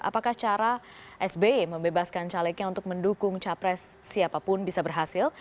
apakah cara sby membebaskan calegnya untuk mendukung capres siapapun bisa berhasil